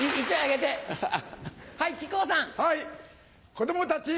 子供たち！